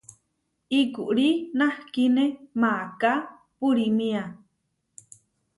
Ikurí nahkíne maaká purímia.